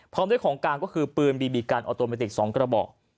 พร้อมด้วยของกลางก็คือปืนบีบีกันออโตเมติก๒กระบอก